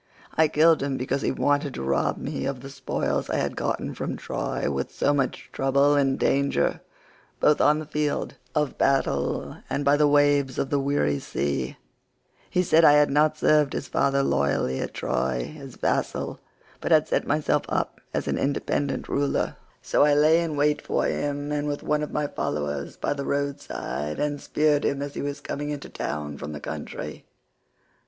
I killed him because he wanted to rob me of the spoils I had got from Troy with so much trouble and danger both on the field of battle and by the waves of the weary sea; he said I had not served his father loyally at Troy as vassal, but had set myself up as an independent ruler, so I lay in wait for him with one of my followers by the road side, and speared him as he was coming into town from the country.